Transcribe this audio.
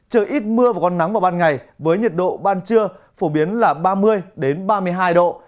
trời ít mưa và còn nắng vào ban ngày với nhiệt độ ban trưa phổ biến là ba mươi ba mươi hai độ